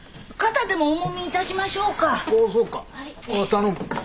頼む。